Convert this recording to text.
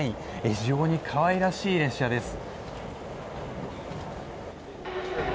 非常に可愛らしい列車です。